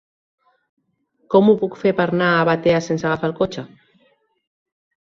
Com ho puc fer per anar a Batea sense agafar el cotxe?